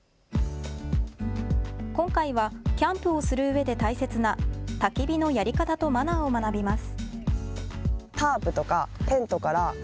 今回はキャンプをするうえで大切な、たき火のやり方とマナーを学びます。